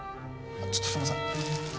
ちょっとすいません。